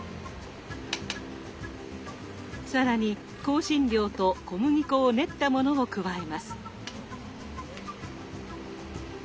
更に香辛料と小麦粉を練ったものを加えます。